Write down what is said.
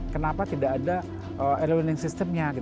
kenapa tidak ada air running system nya